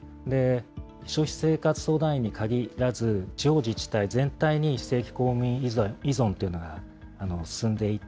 消費生活相談員にかぎらず、地方自治体全体に非正規公務員依存というのが進んでいて、